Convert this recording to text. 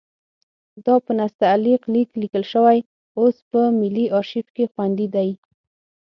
دا په نستعلیق لیک لیکل شوی اوس په ملي ارشیف کې خوندي دی.